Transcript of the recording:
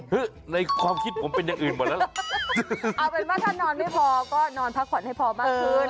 ในความคิดผมเป็นอย่างอื่นหมดแล้วล่ะเอาเป็นว่าถ้านอนไม่พอก็นอนพักผ่อนให้พอมากขึ้น